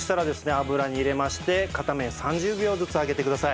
油に入れまして片面３０秒ずつ揚げてください。